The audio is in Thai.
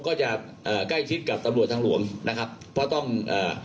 ก็จะเอ่อใกล้ชิดกับตำรวจทางหลวงนะครับเพราะต้องเอ่อ